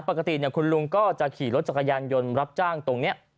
ปกติคุณลุงก็จะขี่รถจักรยานยนต์รับจ้างตรงนี้